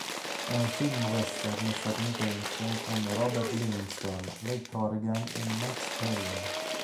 È un film western statunitense con Robert Livingston, Ray Corrigan e Max Terhune.